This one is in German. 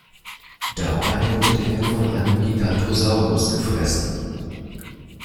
Dabei wurde er von einem Giganotosaurus gefressen.